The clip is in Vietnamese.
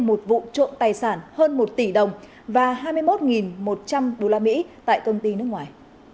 một vụ trộm tài sản hơn một tỷ đồng và hai mươi một một trăm linh usd tại công ty nước ngoài